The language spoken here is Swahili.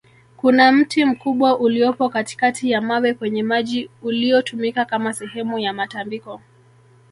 kuna mti mkubwa uliopo katikati ya mawe kwenye maji uliotumika Kama sehemu ya matambiko